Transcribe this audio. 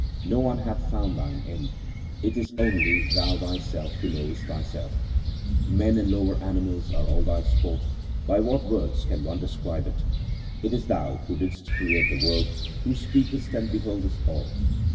No one hath found Thine end ; it is only Thou Thyself who knowest Thyself. Men and lower animals are all Thy sport ; by what words can any one describe it ? It is Thou, who didst create the world, who speakest and beholdest all.